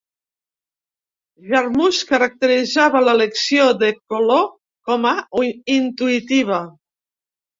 Jarmusch caracteritzava l'elecció de color com a "intuïtiva".